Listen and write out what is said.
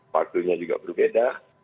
waktunya juga berbeda